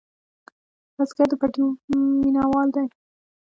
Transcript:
بزګر د پټي مېنهوال دی